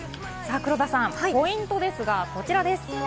黒田さん、ポイントですが、こちらです。